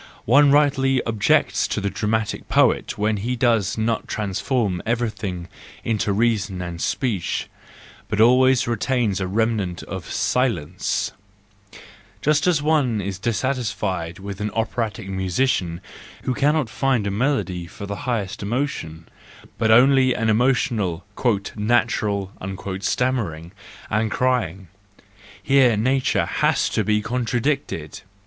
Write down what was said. One rightly objects to the dramatic poet when he does not transform every¬ thing into reason and speech, but always retains a remnant of silence :—just as one is dissatisfied with an operatic musician who cannot find a melody for the highest emotion, but only an emotional, "natural" stammering and crying. Here nature has to be contradicted!